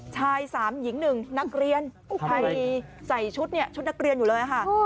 ชาย๓หญิง๑นักเรียนใส่ชุดนักเรียนอยู่เลย